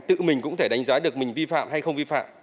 tự mình cũng thể đánh giá được mình vi phạm hay không vi phạm